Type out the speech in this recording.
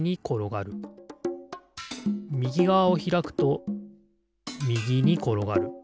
みぎがわをひらくとみぎにころがる。